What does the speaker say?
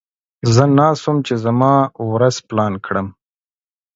زه ناست وم چې زما ورځ پلان کړم.